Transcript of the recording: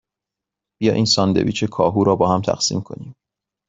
بیا این ساندویچ کاهو را باهم تقسیم کنیم.